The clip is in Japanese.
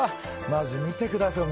まず、見てください。